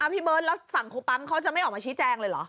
พี่เบิร์ตแล้วฝั่งครูปั๊มเขาจะไม่ออกมาชี้แจงเลยเหรอ